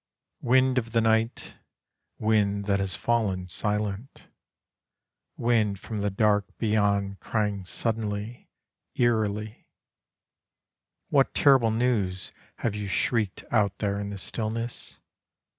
Wind of the night, wind that has fallen silent, Wind from the dark beyond crying suddenly, eerily, What terrible news have you shrieked out there in the stillness?